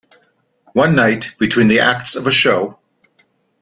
One night between the acts of a show.